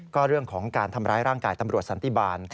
ก็เรื่องของการทำร้ายร่างกายตำรวจสันติบาล